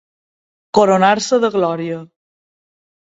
Coronar-se de glòria.